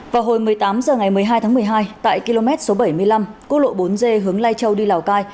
vào hồi một mươi tám h ngày một mươi hai tháng một mươi hai tại km số bảy mươi năm quốc lộ bốn d hướng lai châu đi lào cai